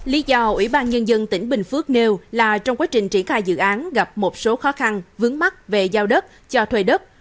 lý do ủy ban nhân dân tỉnh bình phước nêu là trong quá trình triển khai dự án gặp một số khó khăn vướng mắt về giao đất cho thuê đất